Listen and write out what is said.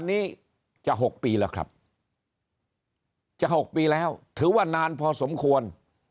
อันนี้จะ๖ปีแล้วครับจะ๖ปีแล้วถือว่านานพอสมควร